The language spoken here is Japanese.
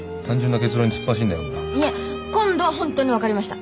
いえ今度は本当に分かりました。